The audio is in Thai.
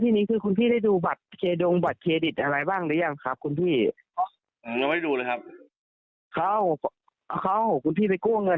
ที่นี้คุณพี่ได้ดูบัตรเครดิตอะไรบ้างหรือยังครับคุณพี่